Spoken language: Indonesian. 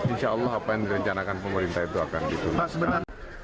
insya allah apa yang direncanakan pemerintah itu akan dituntas